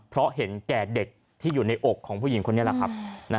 เพราะเห็นแก่เด็กที่อยู่ในอกของผู้หญิงคนนี้แหละครับ